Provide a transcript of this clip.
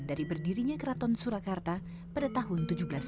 dari berdirinya keraton surakarta pada tahun seribu tujuh ratus sembilan puluh